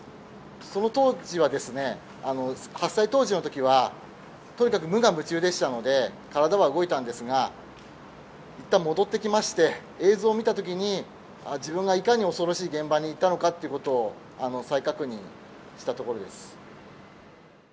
その当時はですね、発災当時のときは、とにかく無我夢中でしたので、体は動いたんですが、いったん戻ってきまして、映像を見たときに、あっ、自分がいかに恐ろしい現場にいたのかということを、再確認したところです。